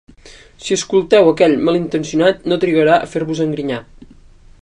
Si escolteu aquell malintencionat no trigarà a fer-vos engrinyar.